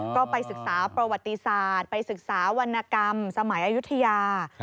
ก็ไปศึกษาประวัติศาสตร์ไปศึกษาวรรณกรรมสมัยอายุทยา